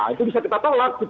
itu bisa kita tolak